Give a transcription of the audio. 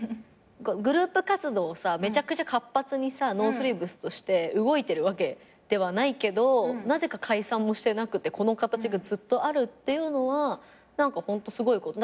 グループ活動をめちゃくちゃ活発にさノースリーブスとして動いてるわけではないけどなぜか解散もしてなくてこの形がずっとあるっていうのは何かホントすごいこと。